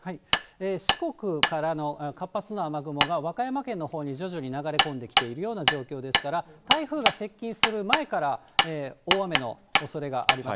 四国からの活発な雨雲が和歌山県のほうに徐々に流れ込んできているような状況ですから、台風が接近する前から大雨のおそれがあります。